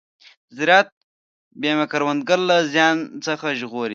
د زراعت بیمه کروندګر له زیان څخه ژغوري.